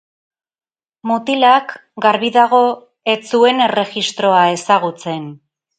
Mutilak, garbi dago, ez zuen erregistroa ezagutzen.